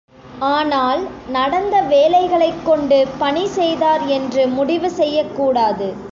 ஆனால், நடந்த வேலைகளைக் கொண்டு பணி செய்தார் என்று முடிவு செய்யக்கூடாது.